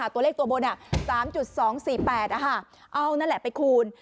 ตัวเลขตัวบน๓๒๔๘เอานั่นแหละไปคูณ